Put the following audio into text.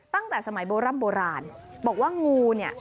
ตั้งแต่สมัยโบร่ำโบราณบอกว่างูเนี่ย